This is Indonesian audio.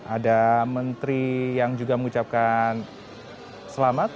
ada menteri yang juga mengucapkan selamat